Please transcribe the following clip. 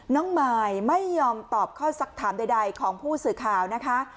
มายไม่ยอมตอบข้อสักถามใดของผู้สื่อข่าวนะคะ